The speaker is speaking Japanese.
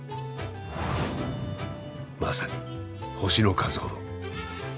まさに星の数ほど。